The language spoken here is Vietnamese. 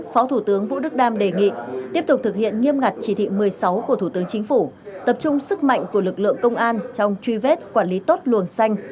phó thủ tướng vũ đức đam đề nghị tiếp tục thực hiện nghiêm ngặt chỉ thị một mươi sáu của thủ tướng chính phủ tập trung sức mạnh của lực lượng công an trong truy vết quản lý tốt luồng xanh